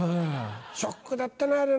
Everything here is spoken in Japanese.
ショックだったなあれな。